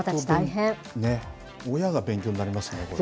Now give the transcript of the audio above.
親が勉強になりますね、これ。